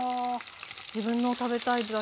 自分の食べたいだけ。